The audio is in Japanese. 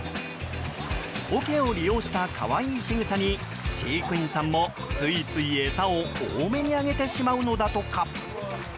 おけを利用した可愛いしぐさに飼育員さんも、ついつい餌を多めにあげてしまうのだとか。